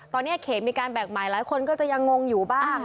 ตอนนี้เขตมีการแบ่งใหม่หลายคนก็จะยังงงอยู่บ้าง